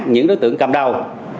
những đối tượng cầm đầu